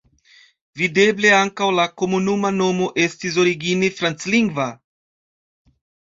Videble ankaŭ la komunuma nomo estas origine franclingva.